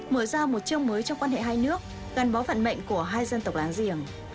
mở ra một chương mới trong quan hệ hai nước gắn bó phận mệnh của hai dân tộc láng giềng